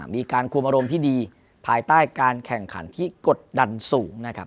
มีการคุมอารมณ์ที่ดีภายใต้การแข่งขันที่กดดันสูงนะครับ